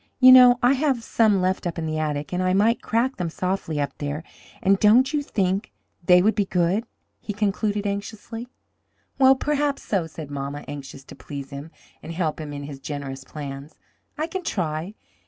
You know I have some left up in the attic, and I might crack them softly up there, and don't you think they would be good?" he concluded anxiously. "Well, perhaps so," said mamma, anxious to please him and help him in his generous plans. "I can try.